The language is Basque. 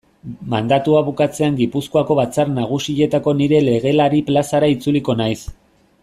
Mandatua bukatzean Gipuzkoako Batzar Nagusietako nire legelari plazara itzuliko naiz.